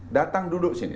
datang duduk sini